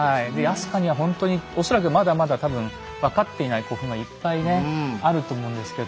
飛鳥にはほんとに恐らくまだまだ多分分かっていない古墳がいっぱいねあると思うんですけど。